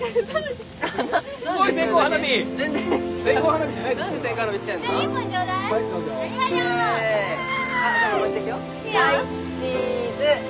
はいチーズ！